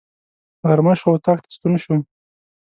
غرمه شوه، اطاق ته ستون شوم.